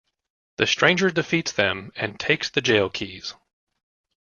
The stranger defeats them and takes the jail keys.